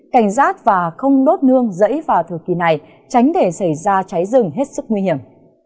cảnh giác và không đốt nương dẫy vào thời kỳ này tránh để xảy ra cháy rừng hết sức nguy hiểm